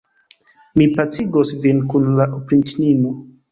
Mi pacigos vin kun la opriĉnino.